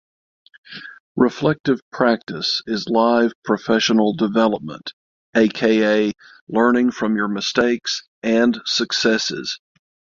Reflective practice is live professional development, aka learning from your mistakes and successes.